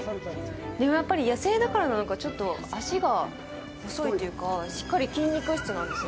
でも、やっぱり野生だからなのか、ちょっと脚が細いというか、しっかり筋肉質なんです。